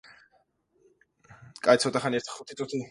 მოგვიანებით ტაგანროგი განვითარდა როგორც სავაჭრო პორტი.